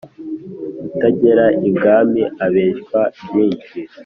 Utagera ibwami abeshywa byinshi.